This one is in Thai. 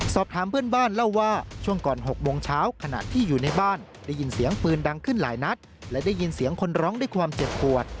สอบถามเพื่อนบ้านเล่าว่าช่วงก่อน๖โมงเช้าขณะที่อยู่ในบ้านได้ยินเสียงปืนดังขึ้นหลายนัดและได้ยินเสียงคนร้องด้วยความเจ็บปวด